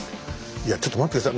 いやちょっと待って下さい。